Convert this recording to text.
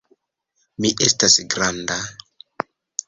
Mi estas granda.